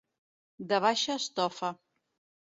De baixa estofa.